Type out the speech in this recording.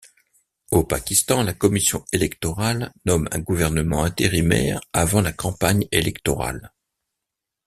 Au Pakistan, la commission électorale nomme un gouvernement intérimaire avant la campagne électorale.